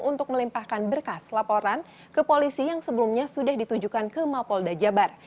untuk melempahkan berkas laporan ke polisi yang sebelumnya sudah ditujukan ke mapol dajabar